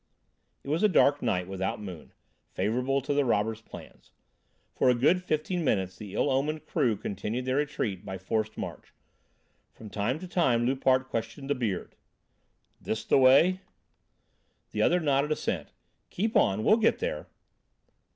It was a dark night, without moon, favourable to the robber's plans. For a good fifteen minutes the ill omened crew continued their retreat by forced march. From time to time Loupart questioned the "Beard": "This the way?" The other nodded assent: "Keep on, we'll get there."